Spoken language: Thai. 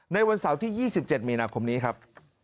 ในวันเสาร์ที่๒๗มีนาคมนี้ครับ